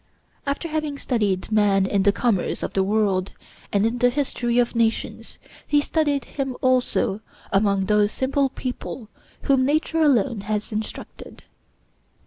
After having studied man in the commerce of the world, and in the history of nations, he studied him also among those simple people whom nature alone has instructed.